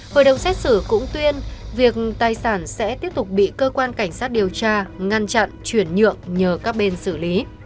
hội đồng xét xử cũng tuyên việc tài sản sẽ tiếp tục bị cơ quan cảnh sát điều tra ngăn chặn chuyển nhượng nhờ các bên xử lý